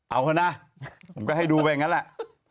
เอาเขานะผมก็ให้ดูไปอย่างนั้นแหละ